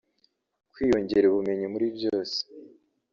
kwiyongera ubumenyi muri byose